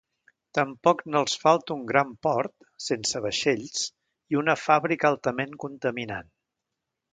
Tampoc no els falta un gran port… sense vaixells, i una fàbrica altament contaminant.